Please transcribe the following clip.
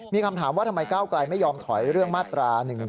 มีคำถามว่าทำไมก้าวไกลไม่ยอมถอยเรื่องมาตรา๑๔